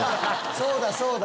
そうだそうだ。